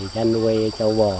chăn nuôi châu bò